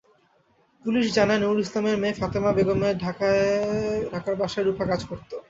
Police জানায়, নুরুল ইসলামের মেয়ে ফাতেমা বেগমের ঢাকার বাসায় রূপা কাজ করত।